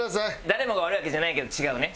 誰もが悪いわけじゃないけど違うね。